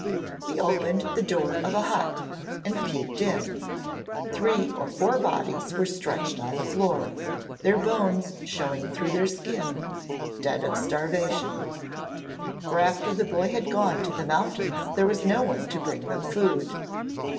He opened the door of a hut and peeped in: three or four bodies were stretched on the floor, their bones showing through their skin, dead of starvation; for after the boy had gone to the mountains there was no one to bring them food.